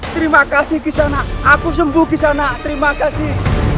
terima kasih kisana aku sembuh kisana terima kasih